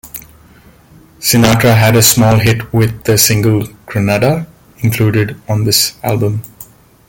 Sinatra had a small hit with the single Granada included on this album.